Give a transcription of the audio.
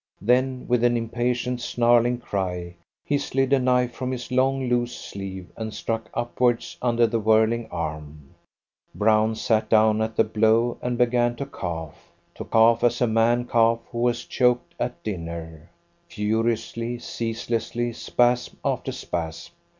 Then with an impatient, snarling cry, he slid a knife from his long loose sleeve and struck upwards under the whirling arm. Brown sat down at the blow and began to cough to cough as a man coughs who has choked at dinner, furiously, ceaselessly, spasm after spasm.